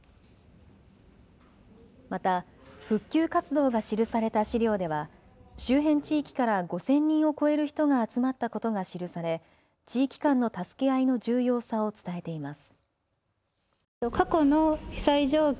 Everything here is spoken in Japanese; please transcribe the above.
また復旧活動が記された資料では周辺地域から５０００人を超える人が集まったことが記され地域間の助け合いの重要さを伝えています。